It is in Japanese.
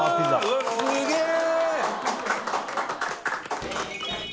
わっすげえ！